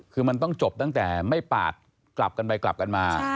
คือมันต้องจบตั้งแต่ไม่ปาดกลับกันไปกลับกันมา